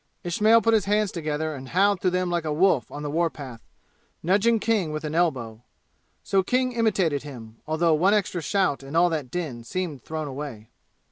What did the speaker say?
Ismail put his hands together and howled through them like a wolf on the war path, nudging King with an elbow. So King imitated him, although one extra shout in all that din seemed thrown away.